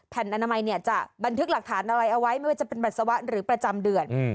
อนามัยเนี่ยจะบันทึกหลักฐานอะไรเอาไว้ไม่ว่าจะเป็นปัสสาวะหรือประจำเดือน